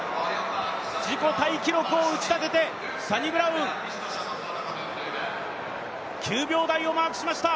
自己タイ記録を打ち立てて、サニブラウン、９秒台をマークしました。